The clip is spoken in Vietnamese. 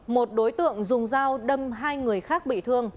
một đối tượng dùng dao đâm hai người khác bị thương